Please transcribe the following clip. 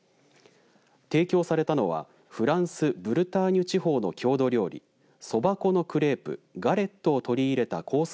提供されたのはフランスブルターニュ地方の郷土料理そば粉のクレープガレットを取り入れたコース